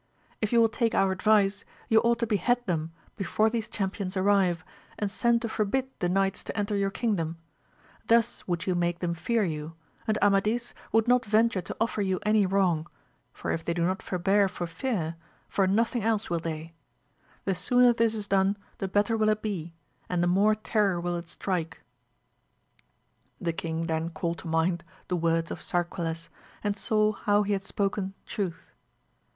If you will take our advice you ought to behead them before these champions arrive, and send to forbid the knights to enter your kingdom ; thus would you make them fear you, and Amadis would not venture to offer you any wrong, for if they do not forbear for fear, for nothing else will they ; the sooner this is done the better will it be, and the more terror will it strike. The king then called to mind the words of Sarquiles, and saw how he had spoken truth.